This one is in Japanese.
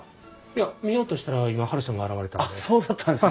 いや見ようとしたら今ハルさんが現れたんで。